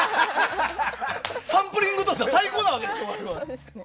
サンプリングとしては最高ですね。